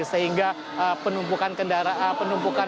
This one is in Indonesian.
sehingga penumpukan kendaraan